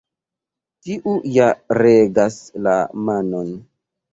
Tiu ja regas la manon.